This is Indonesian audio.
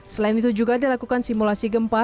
selain itu juga dilakukan simulasi gempa